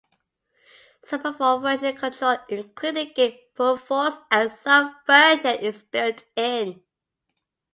Support for version control, including Git, Perforce, and Subversion is built in.